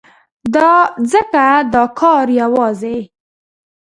ځکه دا کار يوازې